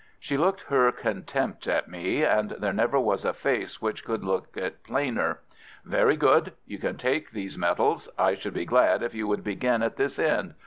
She looked her contempt at me, and there never was a face which could look it plainer. "Very good. You can take these medals. I should be glad if you would begin at this end.